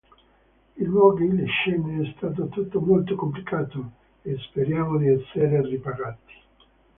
I luoghi, le scene, è stato tutto molto complicato e speriamo di essere ripagati".